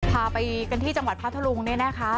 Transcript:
พาไปกันที่จังหวัดพัทธรุงเนี่ยนะคะ